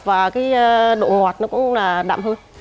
và cái độ ngọt nó cũng là đậm hơn